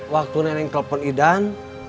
waktu nenek telepon idan